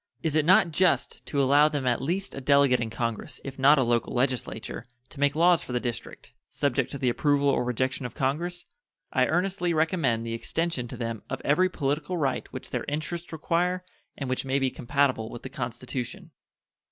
Is it not just to allow them at least a Delegate in Congress, if not a local legislature, to make laws for the District, subject to the approval or rejection of Congress? I earnestly recommend the extension to them of every political right which their interests require and which may be compatible with the Constitution.